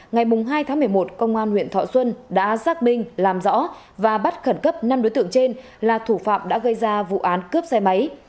ngày hai tháng một mươi một công an huyện thọ xuân đã xác minh làm rõ và bắt khẩn cấp năm đối tượng trên là thủ phạm đã gây ra vụ án cướp xe máy